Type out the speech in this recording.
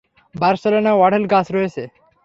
বার্সেলোনায় অঢেল গাছ রয়েছে।